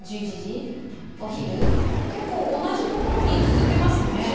結構同じところに居続けますね。